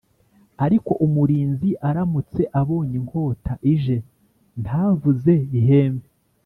Ariko umurinzi aramutse abonye inkota ije ntavuze ihembe